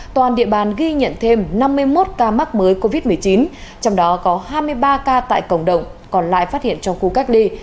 toàn địa bàn ghi nhận thêm năm mươi một ca mắc mới covid một mươi chín trong đó có hai mươi ba ca tại cộng đồng còn lại phát hiện trong khu cách ly